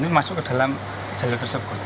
ini masuk ke dalam jalur tersebut